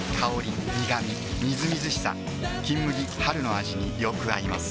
みずみずしさ「金麦」春の味によく合います